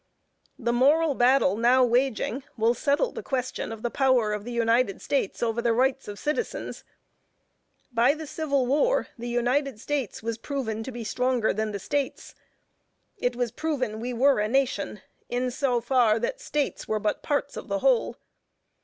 The moral battle now waging will settle the question of the power of the United States over the rights of citizens. By the civil war, the United States was proven to be stronger than the States. It was proven we were a nation in so far that States were but parts of the whole.